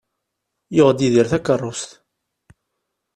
Yuɣ-d Yidir takerrust.